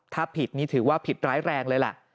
ถ้าผิดนี่ถือว่าผิดร้ายแรงเลยแหละ